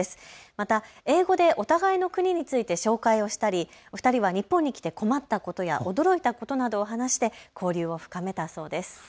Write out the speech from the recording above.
また英語でお互いの国について紹介をしたり２人は日本に来て困ったことや驚いたことなどを話して交流を深めたそうです。